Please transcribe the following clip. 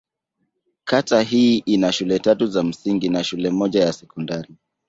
Kata hii ina shule tatu za msingi na shule moja ya sekondari.